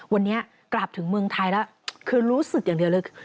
วันนี้กลับถึงเมืองไทยแล้วคือรู้สึกอย่างเดียวเลย